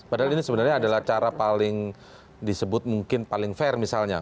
padahal ini sebenarnya adalah cara paling disebut mungkin paling fair misalnya